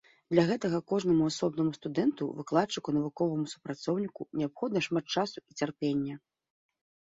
Для гэтага кожнаму асобнаму студэнту, выкладчыку, навуковаму супрацоўніку неабходна шмат часу і цярпення.